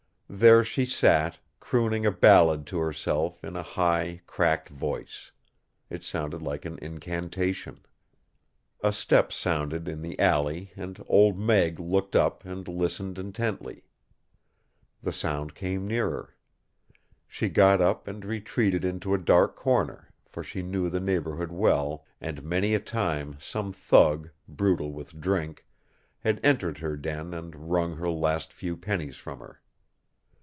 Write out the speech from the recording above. There she sat, crooning a ballad to herself in a high, cracked voice. It sounded like an incantation. A step sounded in the alley and Old Meg looked up and listened intently. The sound came nearer. She got up and retreated into a dark corner, for she knew the neighborhood well, and many a time some thug, brutal with drink, had entered her den and wrung her last few pennies from her.